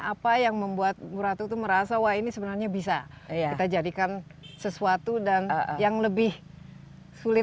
apa yang membuat bu ratu itu merasa wah ini sebenarnya bisa kita jadikan sesuatu dan yang lebih sulit